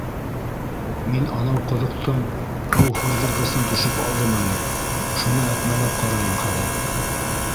Мин анау ҡоҙоҡтоң һыу һурҙырғысын төшөп алдым әле, шуны әтмәләп ҡарайым хәҙер.